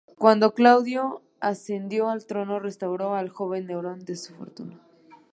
Cuando Claudio ascendió al trono restauró al joven Nerón su fortuna.